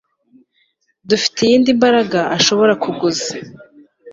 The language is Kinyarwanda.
Dufite iyindi Mbaraga ashobora kuguza